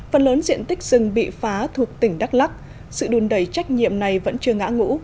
phần lớn diện tích rừng bị phá thuộc tỉnh đắk lắc sự đùn đầy trách nhiệm này vẫn chưa ngã ngũ